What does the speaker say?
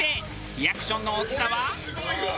リアクションの大きさは。